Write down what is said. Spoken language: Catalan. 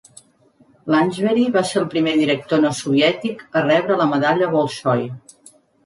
Lanchbery va ser el primer director no soviètic a rebre la Medalla Bolshoi.